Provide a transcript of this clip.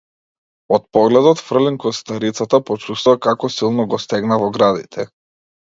Од погледот фрлен кон старицата, почувствува како силно го стегна во градите.